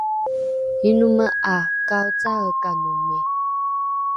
inome ’a kaocaaekanomi?